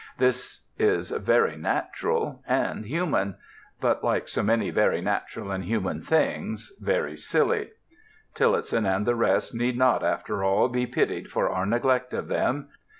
This is very natural and human, but, like so many very natural and human things, very silly. Tillotson and the rest need not, after all, be pitied for our neglect of them.